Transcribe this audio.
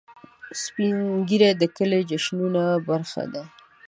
سپین ږیری د کلي د جشنونو برخه دي